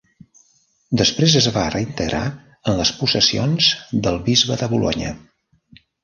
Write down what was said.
Després es va reintegrar en les possessions del bisbe de Bolonya.